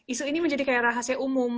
isu ini menjadi kayak rahasia umum